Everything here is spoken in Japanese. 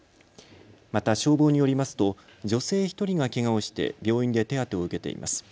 また消防によりますと女性１人がけがをして病院で手当てを受けています。